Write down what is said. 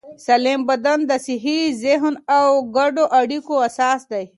سالم بدن د صحي ذهن او ګډو اړیکو اساس دی.